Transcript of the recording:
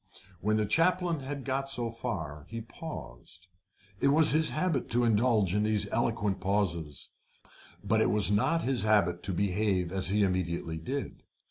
When the chaplain had got so far he paused. It was his habit to indulge in these eloquent pauses, but it was not his habit to behave as he immediately did.